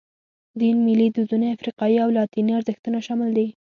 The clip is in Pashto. دین، ملي دودونه، افریقایي او لاتیني ارزښتونه شامل دي.